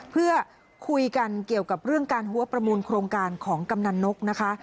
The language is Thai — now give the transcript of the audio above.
เพื่อคุยกันเกี่ยวกับเรื่องการหัวประมูลโครงการของกำนันนกนะคะ